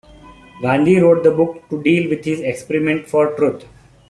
Gandhi wrote the book to deal with his experiment for truth.